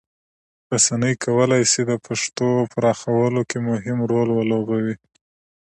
رسنۍ کولی سي د پښتو پراخولو کې مهم رول ولوبوي.